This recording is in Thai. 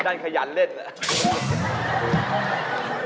ด้านขยันเล่นเลย